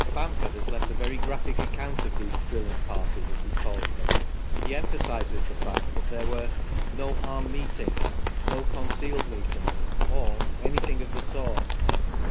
Bamford has left a very graphic account of these " drilling parties," as he calls them. He emphasises the fact that there were " no armed meetings," " no concealed meetings," or " anything of the sort